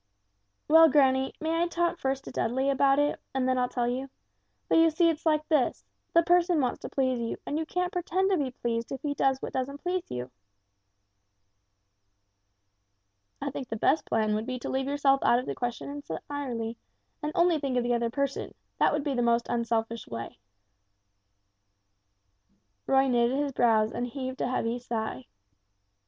"Well, granny, may I talk first to Dudley about it, and then I'll tell you. But you see it's like this the person wants to please you, and you can't pretend to be pleased if he does what doesn't please you!" "I think the best plan would be to leave yourself out of the question entirely, and only think of the other person; that would be the most unselfish way." Roy knitted his brows and heaved a heavy sigh.